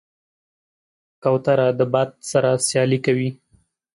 کوتره د باد سره سیالي کوي.